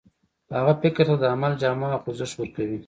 هغه فکر ته د عمل جامه او خوځښت ورکوي.